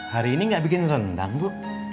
hari ini nggak bikin rendang bu